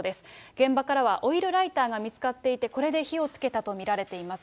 現場からはオイルライターが見つかっていて、これで火をつけたと見られています。